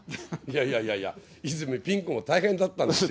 いやいやいや、泉ピン子も大変だったんですよ。